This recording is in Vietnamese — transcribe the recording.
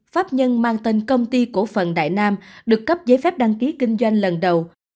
pháp nhân mang tên công ty cổ phần đại nam được cấp giấy phép đăng ký kinh doanh lần đầu